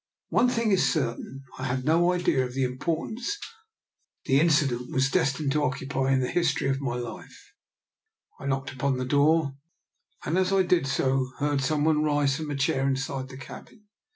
One thing is certain, I had no idea of the importance the incident was destined to occupy in the history of my life. I knocked upon the door, and as I did DR. NIKOLA'S EXPERIMENT. 83 SO heard some one rise from a chair inside the cabin.